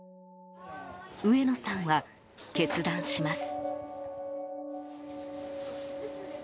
上野さんは決断します。